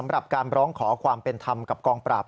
รับการร้องขอความเป็นธรรมกับกองปราบ